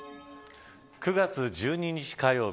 ９月１２日火曜日